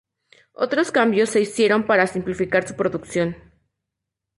Otros cambios se hicieron para simplificar su producción.